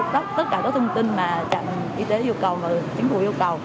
tất cả các thông tin mà trạm y tế yêu cầu mà chính phủ yêu cầu